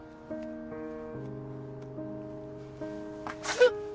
うっ！